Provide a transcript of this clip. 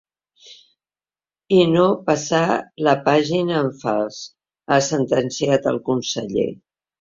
I no passar la pàgina en fals, ha sentenciat el conseller.